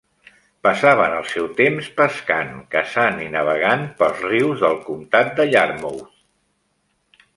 Passaven el seu temps pescant, caçant i navegant pels rius del comtat de Yarmouth.